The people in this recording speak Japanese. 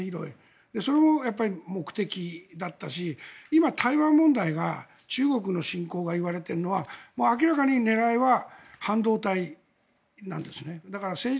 それが目的だったし今、台湾問題が中国の侵攻が言われているのは明らかに狙いは反動なんです。